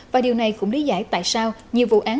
và điều này cũng lý giải tại sao nhiều vụ án